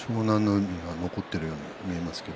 海が残っているように見えますけれど。